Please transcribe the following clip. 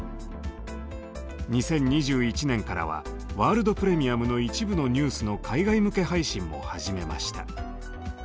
２０２１年からは「ワールド・プレミアム」の一部のニュースの海外向け配信も始めました。